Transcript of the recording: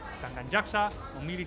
sedangkan jaksa memilih